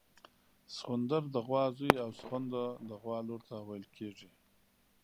سخوندر د غوا زوی او سخونده د غوا لور ته ویل کیږي